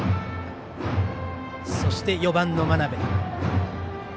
そして４番の真鍋。